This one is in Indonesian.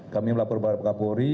kami melapor kepada pak kapolri